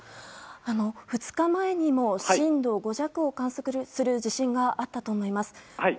２日前にも震度５弱を観測する地震があったと思います。